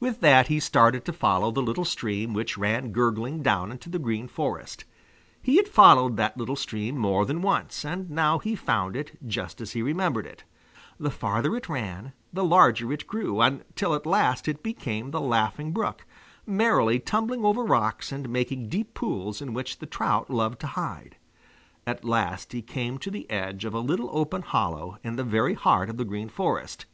With that he started to follow the little stream which ran gurgling down into the Green Forest. He had followed that little stream more than once, and now he found it just as he remembered it. The farther it ran, the larger it grew, until at last it became the Laughing Brook, merrily tumbling over rocks and making deep pools in which the trout loved to hide. At last he came to the edge of a little open hollow in the very heart of the Green Forest.